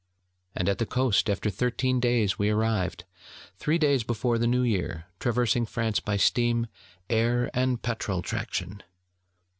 And at the coast, after thirteen days we arrived, three days before the New Year, traversing France by steam, air, and petrol traction.